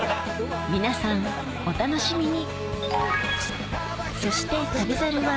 皆さんお楽しみに！